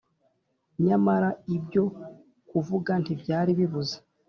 nyamara ibyo kuvuga ntibyari bibuze.